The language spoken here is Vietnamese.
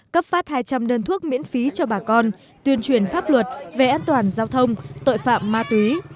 cấp phát hai trăm linh đơn thuốc miễn phí cho bà con tuyên truyền pháp luật về an toàn giao thông tội phạm ma túy